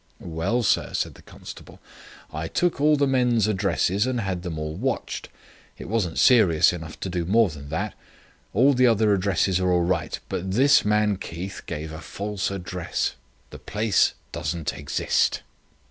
"Well, sir," said the constable, "I took all the men's addresses and had them all watched. It wasn't serious enough to do more than that. All the other addresses are all right. But this man Keith gave a false address. The place doesn't exist."